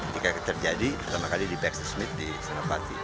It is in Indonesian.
ketika terjadi pertama kali di baxter smith di serapati